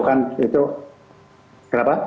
itu kan itu kenapa